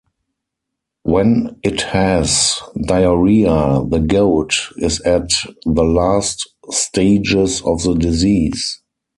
When it has diarrhea, the goat is at the last stages of the disease.